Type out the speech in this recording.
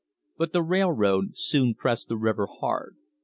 But the railroad soon pressed the river hard.